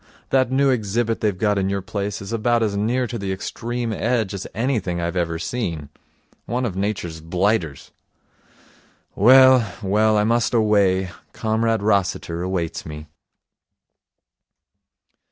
That new exhibit they've got in your place is about as near to the Extreme Edge as anything I've ever seen. One of Nature's blighters. Well, well, I must away. Comrade Rossiter awaits me.'